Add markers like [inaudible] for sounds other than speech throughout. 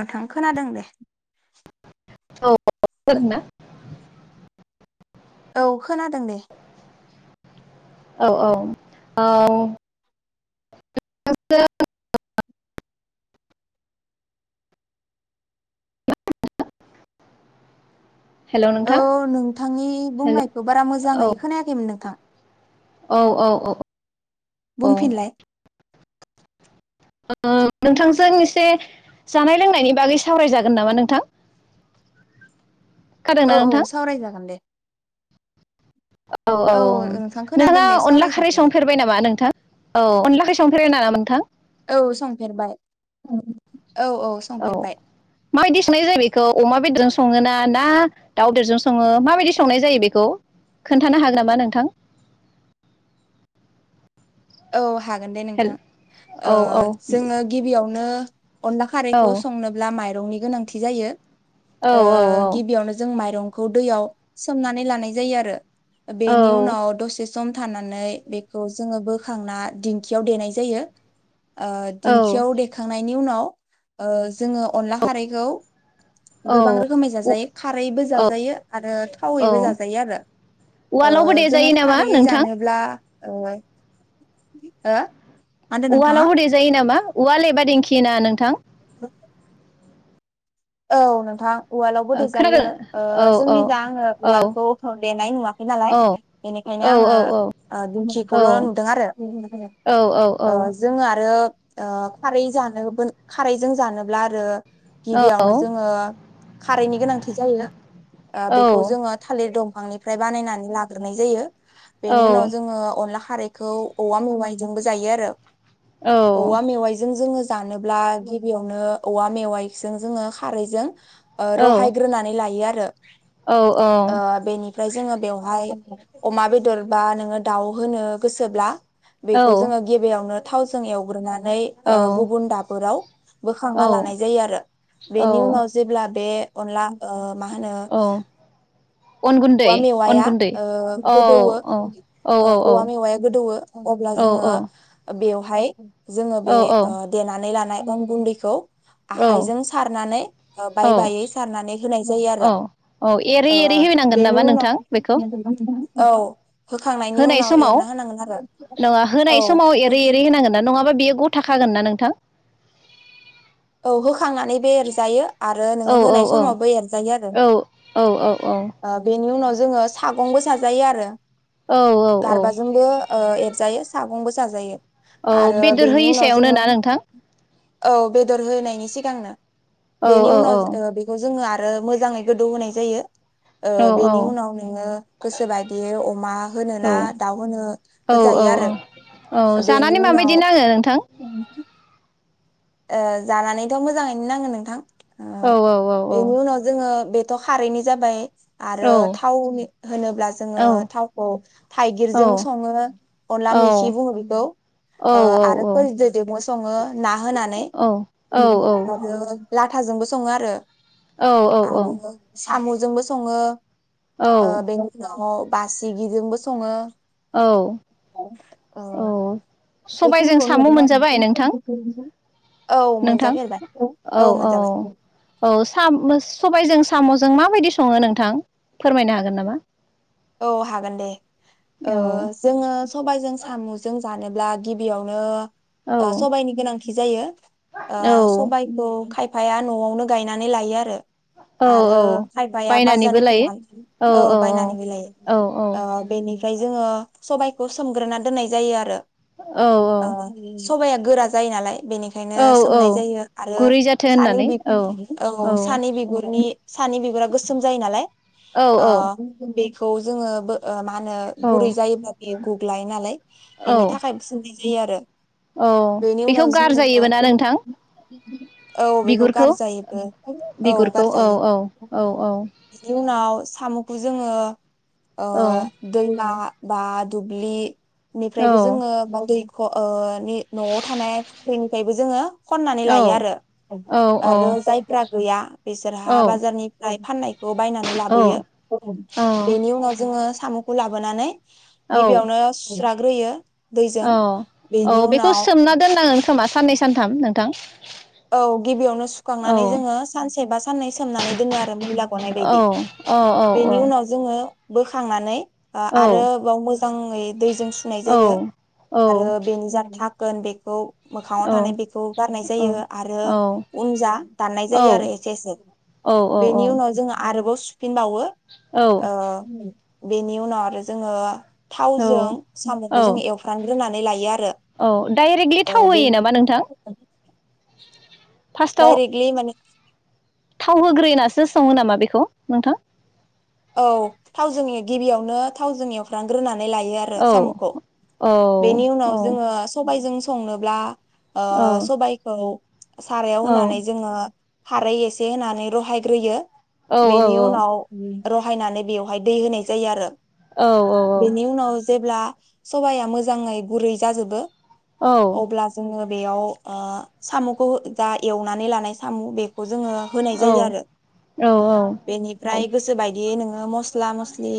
नोंथां खोनादों दे। औ खोनादों [unintelligible] औ खोनादों दे। औ औ औ हेल' औ नोंथां नोंथांनि हेल' बुंनायखौ बारा औ मोजाङै खोनायाखैमोन नोंथां। औ औ औ ओ, बुंफिनलाय ओ नोंथांजों एसे जानाय लोंनायनि बागै सावरायजागोन नामा नोंथां? औ खोनादोंना औ नोंथां सावरायजागोन दे। औ औ नोंथां नोंथाङा खोनादों दे अनला खारै सावरायजागोन दे संफेरबाय नामा नोंथां औ अनला खारै [unintelligible] मोनथां। औ संफेरबाय [unintelligible] औ संफेरबाय माबायदि सुनाय जायो बेखौ अमा बेदरजों स सङोना ना दाउदेरजों सङो माबायदि संनाय जायो बेखौ खोन्थानो हागोन नामा नोंथां? औ हागोन दे हेल नोंथां औ ओह औ जोङो गिबियावनो। [inaudible] अनला औ खारैखौ संनोब्ला माइ रंनि गोनांथि जायो। औ ओह गिबियावनो जों माइरं खौ दैयाव सोमनानै लानाय जायो आरो। बेनि उनाव औ दसे सम थानानै बेखौ जोङो बो खांना दिंखियाव देनाय जायो। ओह औ दिंखियाव देखांनाय नि उनाव ओह जोङो अनला खारैखौ गोबां रोखोमै औ जाजायो खारैबो औ जाजायो आरो औ थावैबो जाजायो आरो उवालावबो ओह जोङो देजायो नामा खारै नोंथां जानोब्ला । [unintelligible] ओ। उवालावबो देेजायो नामा? उवाल एबा दिेंखि ना नोंथां? औ नोंथां। उवालावबो देजायो खोनादों औ ओह औ जोंनि जा आङो उ औ उवालावबो देजायो ओ जोंनिखो आं उवालखौ देनाय नुवाखै नालाय औ औ बेनिखायनो आङो औ ओ औ दिंखिखौल' नुदों आरो औ औ ओह जोङो आरो। ओ खारै जानोबोल खारैजों जानोब्ला आरो औ। ओह खारैनि गोनांथि जायो। ओ बेखौ जोङो थालिर दं फांनिफ्राय बानायनानै लाग्रोनाय जायो। बेनि उनाव जोङो अनला खा खारैखौ औवा मेवाइजोंबो जायो आरो। औवा मेवाइजों जोङो जानोब्ला गिबियावनो औवा मेवाइजों जोङो खा खारैजों ओह रहायग्रोनानै लायो आर रो। ओह बेनिफ्राय जोङो बेवहाय अमा बेदर बा नोङो दाउ होनो गोसोब्ला बेखौ औ जोङो गिबियावनो थावजों एवग्रोना बाय ओ गुबुन दाबोराव बोखांना लानाय जायो आरो। औ बेनि उनाव जेब्ला बे अनला ओ मा होनो औ अन गुन्दै औवा अन मेवाया गुन्दै ओ औ गोदौवो औ औ ओ औ औ औवा मेवाया गोदौवो अब्ला औ जोङो बेव भाय जोङो बे ओ देनानै लानाय अन गुन्दैखौ औ आखाइजों सारनानै औ बाय बायै सारनानै होनाय जायो औ आरो औ एरै एरै होनांगोन नामा नोंथां बेखौ ओ [unintelligible] औ होखांनायनि होनाय उनाव समाव एरना होनांगोन आरो नङा औ होनाय समाव एरै एरै होनांगोन ना नङाबा बियो गथाखागोन ना नोंथां। औ होखांनानैबो एरजायो आरो नोङो औ औ होनाय औ समावबो एरजायो आरो औ औ ओ बेनि उनाव जोङो सागंबो साजायो आरो औ औ गारबाजोंबो ओ एरजायो सागंबो साजायो । औ बेदर होयि सायावनो ना नोंथां । औ बेदर होनायनि सिगांनो । औ बेनि औ उनाव ओ बेखौ जोङो आरो ओ मोजाङै गोदौ होनाय जायो । ओ औ बेनि उनाव नोङो गोसो बायदियै अमा होनोना दाउ होनो औ औ होजायो आरो औ बेनि जानानै उनाव माबायदि नाङो नोंथां ओ जानानैथ' मोजाङैनो नाङो नोंथां । औ ओ औ बेनि उनाव जोङो बे थ खारैनो जाबाय । आरो औ थावनि होनोब्ला जोङो औ थावखौ औ थाइगिरजों सङो अनला औ मेखि बुङो बेखौ ओ आरो फोरदैदोजोंबो सङो ना होना [unintelligible] लाथाजोंबो सङो आरो । औ औ औ साम'जोंबो सङो । ओ बेनि उनाव बासिगिजोंबो सङो । औ औ सबायजों बेखिनिखौ साम' मोनजाबाय नोंथां म [unintelligible] नोंथां औ औ औ सा-मो-सबायजों सा म'जों माबायदि सङो नोंथां फोरमायनो हागोन नामा? औ हागोन दे ओ औ जोङो सबायजों साम'जों जानोब्ला गिबियावनो ओ औ सबायाइनि गोनांथि थि जायो । ओ औ सबायखौ खाब फाया न'आवनो गायनानै लायो आरो । औ आरो औ खाइफाया बायनानैबो बाजारनिफ्राय लायो लानो औ बायनानै बो लायो । औ औ फ्राय जोङो सबायाइखौ सोमग्रोना दोननाय जायो आरो । औ औ सबाया गोरा जायो नालाय औ बेनिखायनो सोमनाय औ जायो आरो गुरै जाथो सानि होननानै बिु औ सानि बिगुरनि सानि बिगुरा गोसोम जायो नालाय औ ओ बे खौ जोङो बो ओ मा होनो औ गुरै जायोब्ला बे [unintelligible] लायो नालाय बेनि औ थाखाय [inaudible] बिदि आरो औ बेनि बेखौ उनाव जोङो गारजायोबो ना नोंथां औ बेखौ बिगुरखौ गारजायोबो औ बिगुरखौ गारजायो औ औ बेनि उनाव साम' खौ जोङो अ औ दैमा बा दुब्लि औ निफ्रायबो जोङो [unintelligible] खौ ओ नि न'आव थानाय [unintelligible] जोङो खननानै औ लायो आरो आरो जायफ्रा गैया बिसोरहा बाजारनिफ्राय फाननाय [unintelligible] बायनानै औ लाबोयो औ बेनि उनाव जोङो साम' खौ लाबोनानै औ गिबियावनो सुस्रा ग्रोयो औ औ बेखौ सोमना दोननांगोन खोमा साननै सानथाम नोंथां? औ गिबियावनो सुखांनानै औ जोङो सानसे बा साननै सोमनानै दोनो आरो मैला गनाय औ बायदि औ बेनि उनाव जोङो बोखांनानै आरो औ बाव मोजाङै दैजों सुनाय औ जायो आरो बेनि [unintelligible] गोन्दैखौ औ मोखाङाव थानाय बेखौ गारनाय औ जायो आरो उनजा दाननाय जायो आरो एसे एसे बेनि उनाव जोङो आरोबाव सु फिनबावो ओ औ बेनि उनाव आरो जोङो थावजों औ साम'खौ जों औ एवफ्रामग्रोनानै लायो आरो औ डाइरेक्टलि ओ थाव बे होयो नामा नोंथां? [unintelligible] दायरेगलि माने? थाव होग्रोनसो सङो नामा बेखौ नोंथां? औ थाव जो गिबियावनो थावजों एवफ्राम ग्रोना नै लायो आरो औ सामखौ औ बेनि औ उनाव जोङो सबायजों । संनोब्ला ओ औ सबायखौ सारायाव औ होनानै जोङो खारै एसे होनानै रहायग्रोयो औ । औ बेनिउ नाव रहायनानै बेवहाय दै होनाय जायो आरो । बेनि औ उनाव जेब्ला सबाया मोजाङै गुरै जाजोबो । अब्ला जोङो बेयाव आ साम'खौ जा एवनानै लानाय साम बेखौ जोङो होनाय जायो आरो । औ औ औ बेनिफ्राय गोसो बाय दे नङा म स्ला मस्लि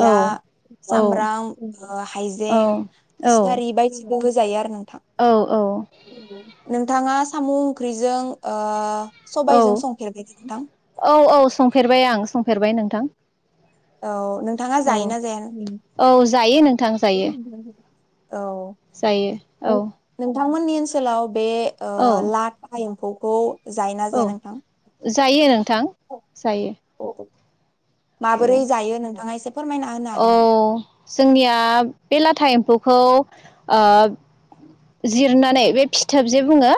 औ औ सामब्राम ओ औ हाइजें फिसखारि बायदि खौ होजायो आरो नों औ औ । नोंथाङा साम' ओंख्रिजों ओ औ सबायजों संफेरबाय नोंथां औ औ संफेरबाय आं संफेरबाय नोंथां । औ । नोंथाङा जायोना जाया उम? औ सायो। औ नों थांमोननि ओनसोलाव बे ओ औ लाथा एम्फौ खौ जायो ना जाया औ नोंथां? जायो नों थां जायो । माबोरै जायो नोंथाङा एसे फोरमायना होनो औ हागोन नामा? जोंनिया बे लाथा एम्फौ खौ ओ जिरनानै बे फिथोब जे बुंङो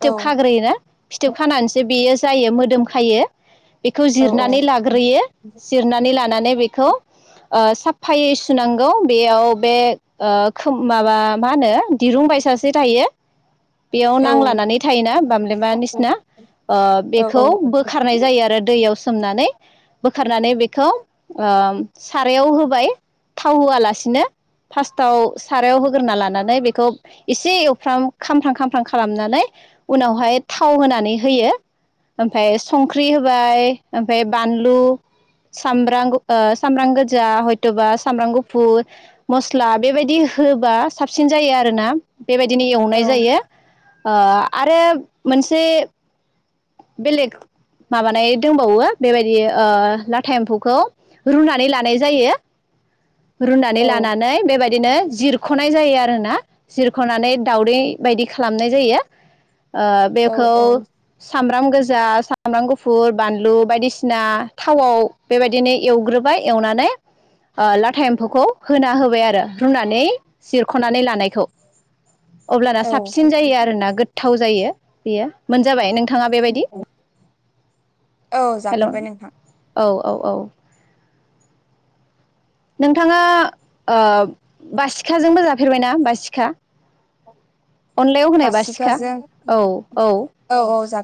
औ खाग्रोयोना फिथोब खानानैसो बेयो जायो मोदोम खायो बेखौ औ औ जिरनानै लाग्रोयो जिरनानै लानानै बेखौ ओ साफायै सुनांगौ बेयाव बे ओ माबा मा होनो दिरुंबायसासे थायो बेयाव औ नांलानानै थायोना बामलेमा नसिना औ बेखौ बोखारनाय जायो आरो दैयाव सोमनानै बोखारनानै बेखौ सारायाव होबाय थाव होआलासिनो फार्स्टआव सारायाव होग्रोना लानानै बेखौ एसे एवफ्राम खामफ्रां खामफ्रां खालामनानै उनावहाय थाव होनानै होयो ओमफ्राय संख्रि होबाय ओमफ्राय बानलु सामब्राम सामब्राम गोजा हयथबा सामब्राम गुफुर मस्ला बेबायदि होबा साबसिन जायो आरोना बेबायदिनो औ एवनाय जायो ओ आरो मोनसे बेलेग माबानाय दोंबावो बेबायदि ओ लाथा एम्फौखौ रुनानै लानाय जायो रुनानै औ लानानै बेबायदिनो जिरखनाय जायो आरो ना जिरखनानै दावदै बायदि खालामनाय जायो ओ औ बेखौ सामब्राम गोजा सामब्राम गुफु फुर बानलु बायदिसिना थावआव बेबायदिनो एवग्रोबाय एवनानै ला था एम्फौखौ होना होबाय आरो रुनानै जिरखनानै लानायखौ अब्लाना औ साबसिन जायो आरोना गोथा जायो बेयो मोनजाबाय नोंथा ङा बेबायदि औ हेलौऔ जाफेरबाय नोंथां औ औ नोंथांङा ओ बासिखाजोंबो जाफेरबायना बासिखा अनलायाव होनाय बारसिखा बासिखाजों औ औ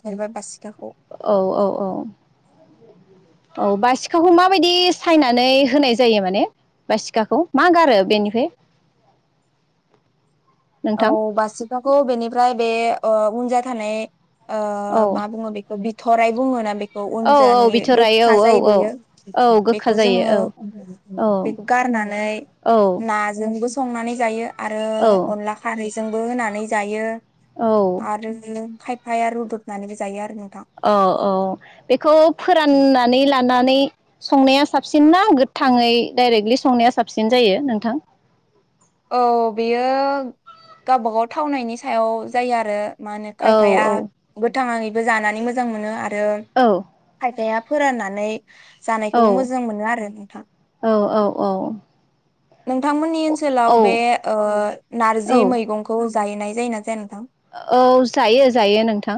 फेरबाय बासिखाखौ औ औ औ औ बासिखाखौ माबायदि सायनानै होनाय जायो माने बासिखाखौ मा गारो बेनिफ्राय औ नोंथां बासिखाखौ बेनिफ्राय बे ओ उनजा थानाय ओ औ मा बुंङो बे खो बिथराय बुंङोना बे खौ औ औ उनजानि बिथराय औ गोखखा औ जायो औ बेयो औ गोखा बेखौ जोंङो जायो औ औ बेखौ गारनानै औ ना जोंबो संनानै जायो आरो औ अनला खारैजोंबो होनानै जायो। औ आरो बियो । खायफाया रुदुबनानैबो जायो आरो । औ औ बेखौ फोराननानै ला नानै संनाया साबसिन ना गोथाङै डाइरेक्टलि संनाया साबसिन जायो नोंथां? औ बेयो गावबागाव थावनायनि सायाव जायो आरो । मा होनो औ औ खायफाया गोथाङै । बो जानानै मोजां मोनो आ रो औ खायफाया फोराननानै । जानायखौबो औ मोजां मोनो आरो नोंथां । औ नोंथांमोननि । ओनसोलाव बे औ ओ नारजि औ मैगंखौ । जाहैनाय जायोना जाया? नोंथां औ जायो जायो नोंथां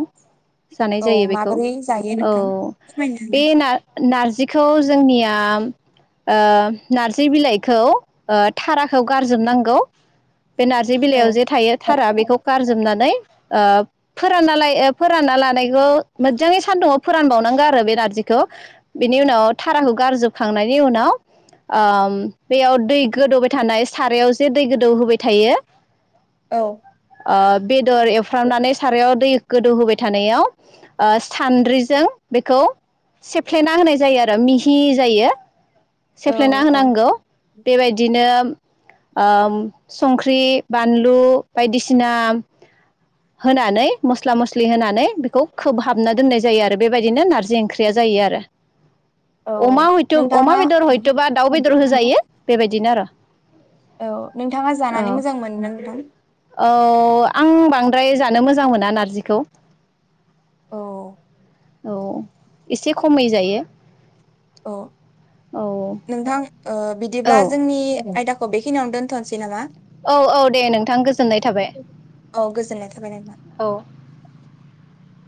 जानाय औ जायो बेखौ माबोरै जायो औ नोंथां फोरमायनो बे हानाय नारजि नारजिखौ जोंनिया। ओ नारजि बिलाइखौ थाराखौ गारजोबनांगौ। बे नारजि औ बिलाइयाव जे थायो थारा बेखौ गारजोबनानै। नै फोरानना फोरानना लानायखौ मोजाङै सानदुङाव फोरानबावनांगौ आरो बे नारजिखौ बिनि उनाव थाराखौ गारजोबखांनायनि उनाव बेयाव दै गोदौबाय थानाय सारायाव जे दै गोदौहोबाय थायो। औ ओ बेदर एवफ्रामनानै सारायाव दै गोदौहोबाय थानायाव ओ सान्द्रिजों बेखौ सेफ्लेना होनाय जायो आरो मिहि जायो। औ सेफ्लेना औ होनांगौ बेबायदिनो । ओ संख्रि बानलु बायदिसिना। होनानै मस्ला मस्लि होनानै बेखौ खोबहाबना दोननाय जायो आरो बेबायदिनो नारजि ओंख्रिया जायो आरो औ । अमा हयथ' अमा नोंथाङा बेदर हयथ'बा दाउ बेदर होजायो बेबायदि। बिदिनो आरो। औ नोंथाङा औ जानानै मोजां मोनो ना नोंथां? औ आं बांद्राय जानो मोजां मोना । नारजिखौ । औ औ एसे खमै जायो। औ औ नोंथां ओ बिदिब्ला औ जोंनि आयदाखौ । बेखिनि आवनो दोनथ'नोसै नामा? औ औ दे नोंथां गोजोननाय थाबाय औ गोजोननाय थाबाय नोंथां औ ।